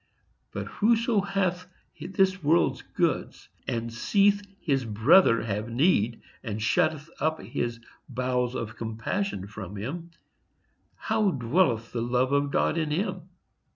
—But whoso hath this world's goods and seeth his brother have need and shutteth up his bowels of compassion from him, how dwelleth the love of God in him?